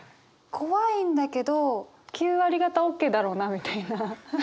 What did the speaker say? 怖いんだけど９割がたＯＫだろうなみたいな。